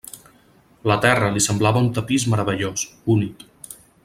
La terra li semblava un tapís meravellós, únic.